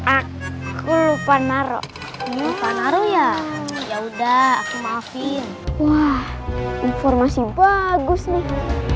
aku lupa naro naro ya ya udah aku maafin wah informasi bagus nih